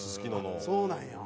そうなんや。